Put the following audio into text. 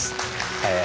え